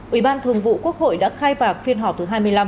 ủy ban thường vụ quốc hội đã khai mạc phiên họp thứ hai mươi năm